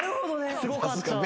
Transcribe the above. すごかった。